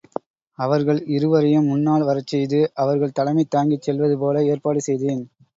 அவர்கள் இருவரையும் முன்னால் வரச்செய்து அவர்கள் தலைமை தாங்கிச் செல்வது போல ஏற்பாடு செய்தேன்.